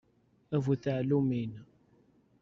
A bu tɛellumin!